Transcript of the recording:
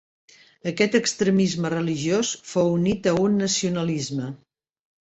Aquest extremisme religiós fou unit a un nacionalisme.